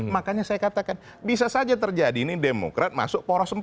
makanya saya katakan bisa saja terjadi ini demokrat masuk poros empat